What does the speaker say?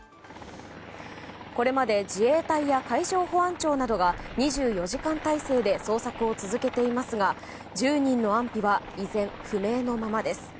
これまで自衛隊や海上保安庁などが２４時間態勢で捜索を続けていますが１０人の安否は依然不明のままです。